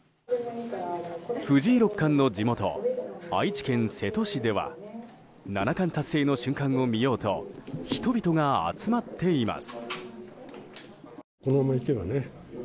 藤井六冠の地元愛知県瀬戸市では七冠達成の瞬間を見ようと人々が集まっています。